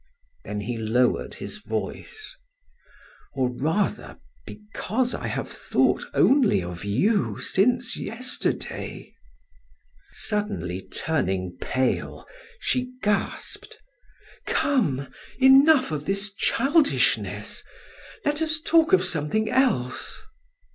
Then he lowered his voice: "Or rather because I have thought only of you since yesterday." Suddenly turning pale, she gasped: "Come, enough of this childishness! Let us talk of something else."